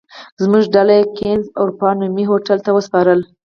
زموږ ډله یې کېنز اروپا نومي هوټل ته وسپارله.